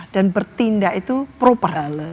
dan bertindak itu proper